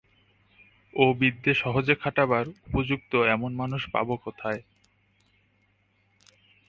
ও-বিদ্যে সহজে খাটাবার উপযুক্ত এমন মানুষ পাব কোথায়?